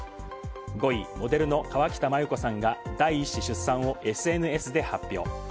５位、モデルの河北麻友子さんが第１子出産をＳＮＳで発表。